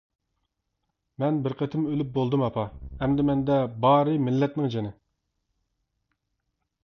مەن بىر قېتىم ئۆلۈپ بولدۇم ئاپا ، ئەمدى مەندە بارى مىللەتنىڭ جېنى.